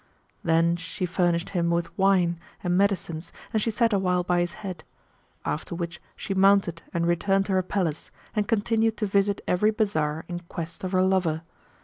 Then she furnished him with wine and medicines and she sat awhile by his head, after which she mounted and returned to her palace and continued to visit every bazar in quest of her lover.